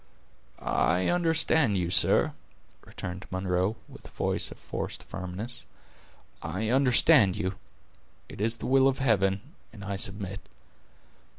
"I understand you, sir," returned Munro, with a voice of forced firmness; "I understand you. It is the will of Heaven, and I submit.